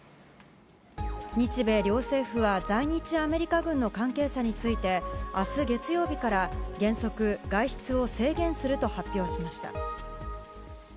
日米両政府は在日アメリカ軍の関係者について明日月曜日から原則、外出を制限すると発表しました。